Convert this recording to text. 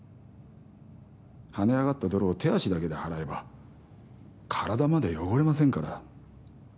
跳ね上がった泥を手足だけで払えば、体まで汚れませんから。